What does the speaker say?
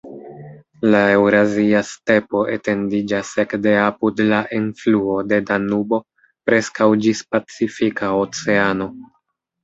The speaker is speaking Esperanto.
La Eŭrazia Stepo etendiĝas ekde apud la enfluo de Danubo preskaŭ ĝis Pacifika Oceano.